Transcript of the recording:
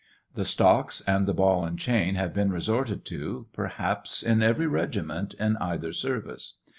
The stocks, and the ball and chain, have been resorted to, perhaps, in every regiment in either service.